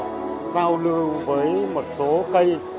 và giao lưu với một số cây